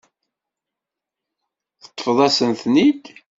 Teṭṭfeḍ-asen-ten-id.